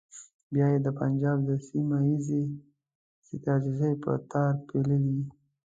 بیا یې د پنجاب د سیمه ییزې ستراتیژۍ په تار پېیلې.